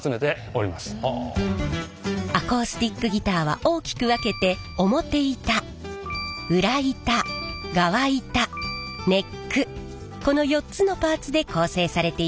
アコースティックギターは大きく分けてこの４つのパーツで構成されています。